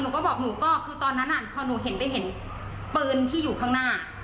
ก็บอกหนูก็คือตอนนั้นพอหนูเห็นไปเห็นปืนที่อยู่ข้างหน้า